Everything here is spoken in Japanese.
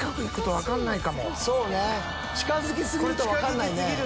そうね近づき過ぎると分かんないね。